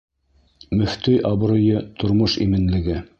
Мөфтөй абруйы — тормош именлеге